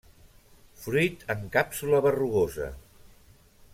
Fruit en càpsula berrugosa.